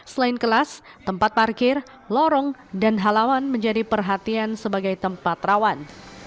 selain kelas tempat parkir lorong dan halawan menjadi perhatian sebagai tempat rawan